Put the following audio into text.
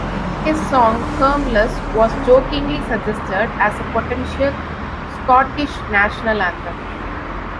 His song "Hermless" was jokingly suggested as a potential Scottish national anthem.